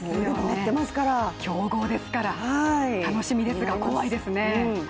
強豪ですから、楽しみですが怖いですね。